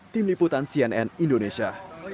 tim liputan cnn indonesia